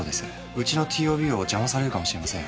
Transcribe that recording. うちのＴＯＢを邪魔されるかもしれません。